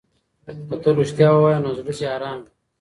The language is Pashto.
که ته رښتیا ووایې نو زړه دې ارام وي.